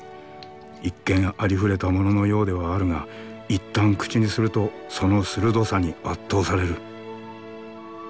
一見ありふれたもののようではあるがいったん口にするとその鋭さに圧倒される。